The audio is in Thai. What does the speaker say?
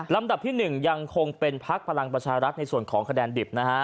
ลำดับที่๑ยังคงเป็นพักพลังประชารัฐในส่วนของคะแนนดิบนะฮะ